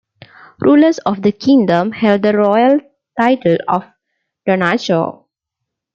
Rulers of the kingdom held the royal title of "Donacho".